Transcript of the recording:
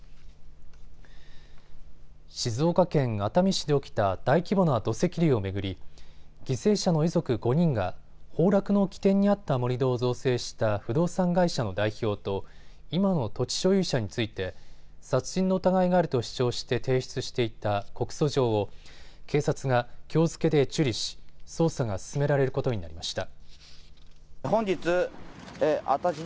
静岡県熱海市で起きた大規模な土石流を巡り犠牲者の遺族５人が崩落の起点にあった盛り土を造成した不動産会社の代表と今の土地所有者について殺人の疑いがあると主張して提出していた告訴状を警察がきょう付けで受理し、捜査が進められることになりました。